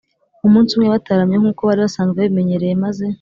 Umunsi umwe, bataramye nk’uko bari basanzwe babimenyereye maze